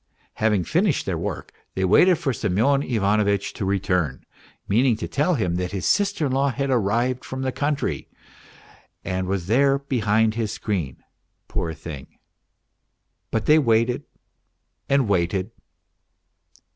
Having finished their work they waited for Semyon Ivanovitch to return, meaning to tell him that his sister in law had arrived from the country and was there behind his screen, poor thing ! But they waited and waited.